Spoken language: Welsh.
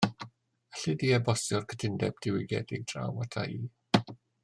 Alli di e-bostio'r cytundeb diwygiedig draw ata i